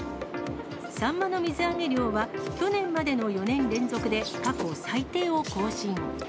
サンマの水揚げ量は、去年までの４年連続で過去最低を更新。